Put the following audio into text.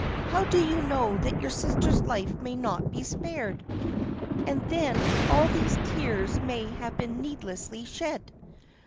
"How do you know that your sister's life may not be spared? and then all these tears may have been needlessly shed.